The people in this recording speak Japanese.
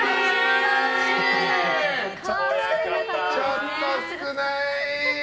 ちょっと少ない！